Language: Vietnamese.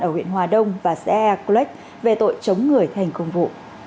ở huyện hòa đông và xe e clutch về tội chống người thành công vụ